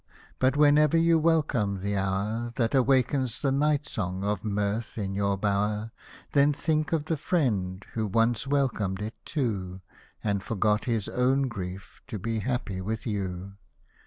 — but whenever you welcome the hour, That awakens the night song of mirth in your bower, Then think of the friend who once welcomed it too, And forgot his own grief to be happy with you.